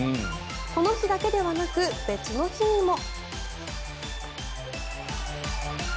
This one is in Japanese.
この日だけではなく別の日にも。